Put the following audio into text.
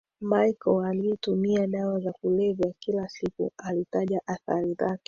Michael aliyetumia dawa za kulevya kila siku alitaja athari zake